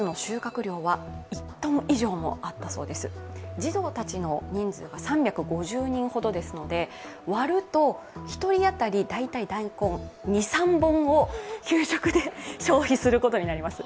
児童たちの人数が３５０人ほどですので割ると、１人当たり大体大根２３本を給食で消費することになります。